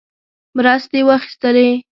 مرستې واخیستلې.